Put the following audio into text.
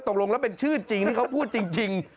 ตกลงแล้วเป็นชื่อจริงที่เขาพูดจริง